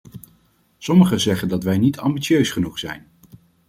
Sommigen zeggen dat wij niet ambitieus genoeg zijn.